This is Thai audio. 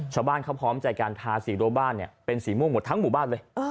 ชาวบ้านเขาพร้อมใจการทาสีรัวบ้านเป็นสีม่วงหมดทั้งหมู่บ้านเลย